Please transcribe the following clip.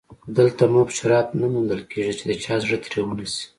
دلته مفت شراب نه موندل کېږي چې د چا زړه ترې ونشي